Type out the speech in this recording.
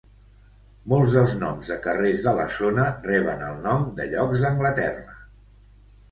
Molts dels noms de carrers de la zona reben el nom de llocs d'Anglaterra.